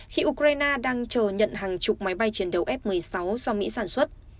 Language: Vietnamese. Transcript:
khi ukraine đang chờ nhận hàng chục máy bay chiến đấu f một mươi sáu do mỹ sản xuất